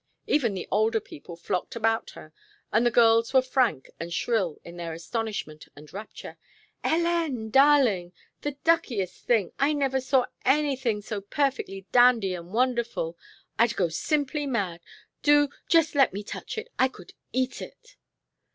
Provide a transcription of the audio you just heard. Even the older people flocked about her and the girls were frank and shrill in their astonishment and rapture. "Hélène! Darling! The duckiest thing I never saw anything so perfectly dandy and wonderful! I'd go simply mad! Do, just let me touch it! I could eat it!"